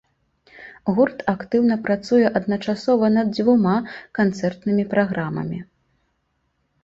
Гурт актыўна працуе адначасова над дзвюма канцэртнымі праграмамі.